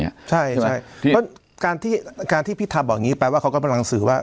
เนี้ยใช่ใช่การที่การที่พี่ทำบอกอย่างงี้แปลว่าเขาก็กำลังสื่อว่า